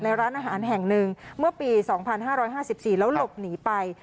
ร้านอาหารแห่งหนึ่งเมื่อปี๒๕๕๔แล้วหลบหนีไป